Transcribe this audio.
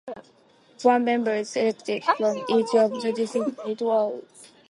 One member is elected from each of the District's eight wards.